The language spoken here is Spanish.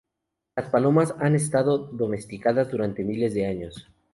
Las palomas han estado domesticadas durante miles de años.